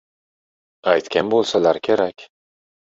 — Aytgan bo‘lsalar kerak?